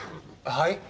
はい？